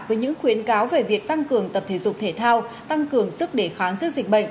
với những khuyến cáo về việc tăng cường tập thể dục thể thao tăng cường sức đề kháng trước dịch bệnh